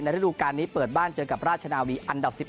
ฤดูการนี้เปิดบ้านเจอกับราชนาวีอันดับ๑๑